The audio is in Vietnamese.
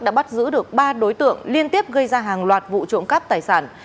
đã bắt giữ được ba đối tượng liên tiếp gây ra hàng loạt vụ trộm cắp tài sản